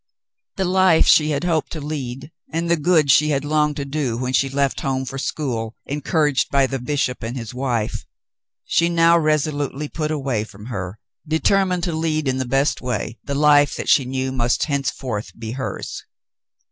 The life she had hoped to lead and the good she had longed to do when she left home for school, encouraged by the bishop and his wife, she now resolutely put away from her, determined to lead in the best way the life that she knew must henceforth be hers.